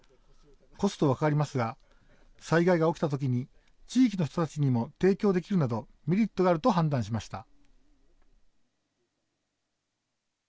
コストはかかりますが災害が起きた時に地域の人たちにも提供できるなどメリットがあると判断しました。